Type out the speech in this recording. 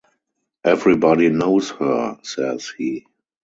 "Everybody knows her," says he.